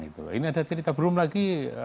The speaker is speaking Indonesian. ini ada cerita belum lagi